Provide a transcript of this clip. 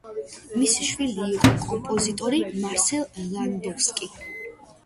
მისი შვილი იყო კომპოზიტორი მარსელ ლანდოვსკი.